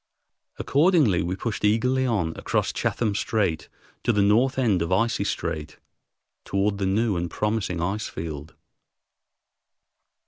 Accordingly, we pushed eagerly on across Chatham Strait to the north end of Icy Strait, toward the new and promising ice field.